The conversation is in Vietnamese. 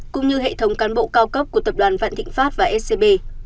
cũng như hệ thống cán bộ cao cấp của tập đoàn vạn thịnh pháp và scb